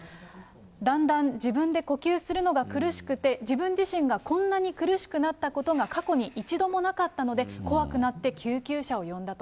だんだん自分で呼吸するのが苦しくて、自分自身がこんなに苦しくなったことが過去に一度もなかったので、怖くなって、救急車を呼んだと。